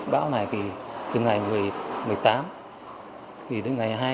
bão này từ ngày một mươi tám đến ngày hai mươi hai